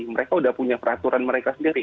mereka sudah punya peraturan mereka sendiri